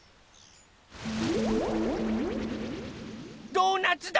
ドーナツだ！